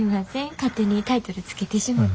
勝手にタイトル付けてしもて。